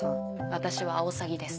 私はアオサギです。